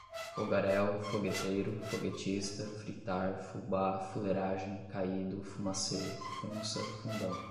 fogaréu, fogueteiro, foguetista, fritar, fubá, fuleragem, caído, fumacê, funça, fundão